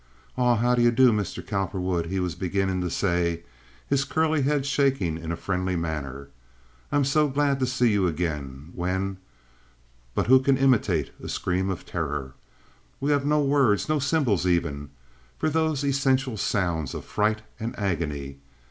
"Awe, how do you do, Meezter Cowperwood," he was beginning to say, his curly head shaking in a friendly manner, "I'm soa glad to see you again" when—but who can imitate a scream of terror? We have no words, no symbols even, for those essential sounds of fright and agony.